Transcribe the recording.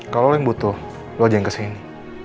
kalau lo yang butuh lo aja yang kesini